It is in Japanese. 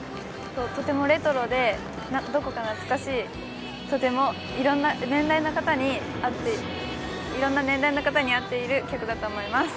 とてもレトロでどこか懐かしい、いろいろな年代の方に合っている曲だと思います。